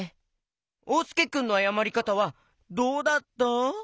おうすけくんのあやまりかたはどうだった？